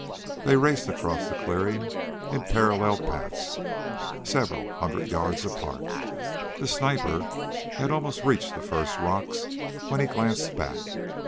They raced across the clearing in parallel paths, several hundred yards apart. The sniper had almost reached the first rocks when he glanced back.